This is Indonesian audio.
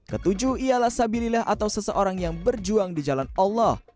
ketujuh ialah sabilillah atau seseorang yang berjuang di jalan allah